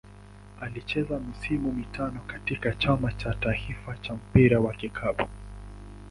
Alicheza misimu mitano katika Chama cha taifa cha mpira wa kikapu.